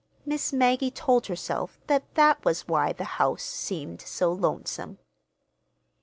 Miss Maggie told herself that that was why the house seemed so lonesome.